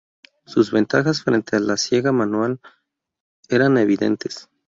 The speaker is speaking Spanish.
Sus ventajas frente a la siega manual eran evidentes.